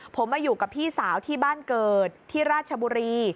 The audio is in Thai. ผมมาอยู่กับพี่สาวที่บ้านเกิดที่ราชบุรี